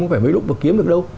cũng phải mấy lúc mà kiếm được đâu